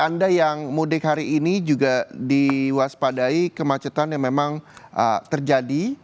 anda yang mudik hari ini juga diwaspadai kemacetan yang memang terjadi